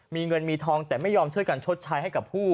มีเงินมีทองแต่ไม่ยอมช่วยกันชดใช้ให้กับผู้